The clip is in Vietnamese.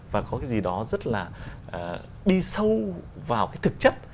và có cái gì đó rất là đi sâu vào cái thực chất